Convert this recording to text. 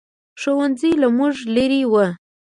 ښوؤنځی له موږ لرې ؤ